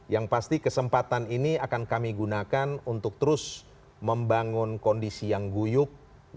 yang pasti kesempatan ini akan kami gunakan untuk terus membangun kondisi yang guyuk